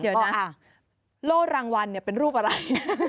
เดี๋ยวนะโลธรางวัลเป็นรูปอะไร